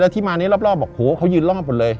แล้วที่มานี่รอบบอกโหเขายืนรอบเลย